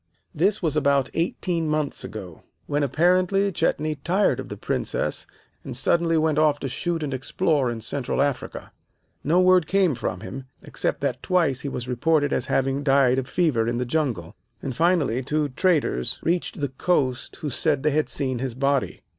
"This was about eighteen months ago, when apparently Chetney tired of the Princess, and suddenly went off to shoot and explore in Central Africa. No word came from him, except that twice he was reported as having died of fever in the jungle, and finally two traders reached the coast who said they had seen his body.